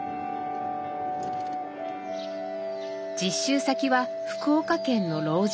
実習先は福岡県の老人ホーム。